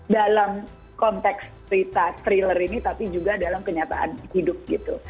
dalam konteks cerita thriller ini tapi juga dalam kenyataan hidup gitu